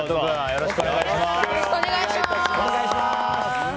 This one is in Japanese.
よろしくお願いします。